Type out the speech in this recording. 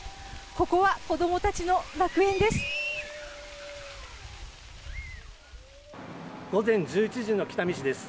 ここは子どもたちの楽園です。